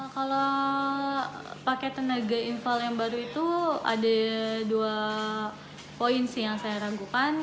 kalau pakai tenaga infal yang baru itu ada dua poin sih yang saya ragukan